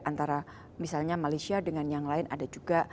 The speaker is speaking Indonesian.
antara misalnya malaysia dengan yang lain ada juga